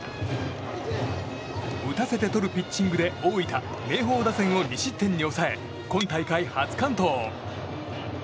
打たせてとるピッチングで大分・明豊打線を２失点に抑え今大会初完投。